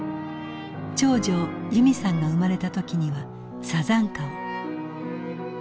長女由美さんが生まれた時には山茶花を。